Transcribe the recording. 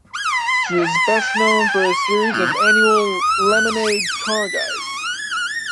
He is best known for his series of annual "Lemon-Aid" car guides.